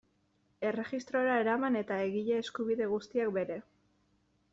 Erregistrora eraman eta egile eskubide guztiak bere.